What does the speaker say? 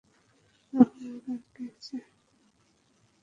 রোহন গান গেয়েছে?